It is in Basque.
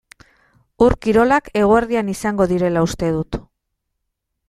Ur-kirolak eguerdian izango direla uste dut.